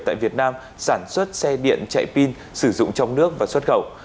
tại việt nam sản xuất xe điện chạy pin sử dụng trong nước và xuất khẩu